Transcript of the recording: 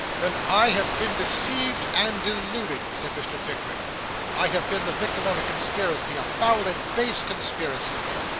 'Then, I have been deceived, and deluded,' said Mr. Pickwick. 'I have been the victim of a conspiracy a foul and base conspiracy.